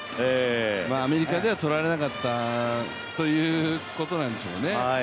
アメリカではとられなかったということなんでしょうね。